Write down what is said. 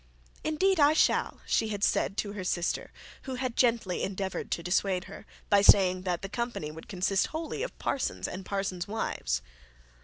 'Indeed, I shall,' she said to her sister who had greatly endeavoured to dissuade her, by saying that the company would consist wholly of parsons and parsons' wives.